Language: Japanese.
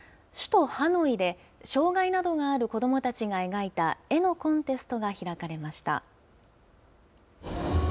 首都ハノイで、障害などがある子どもたちが描いた絵のコンテストが開かれました。